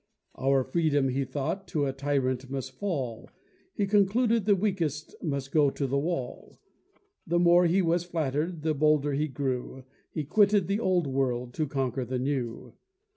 Our freedom, he thought, to a tyrant must fall: He concluded the weakest must go to the wall. The more he was flatter'd, the bolder he grew: He quitted the old world to conquer the new.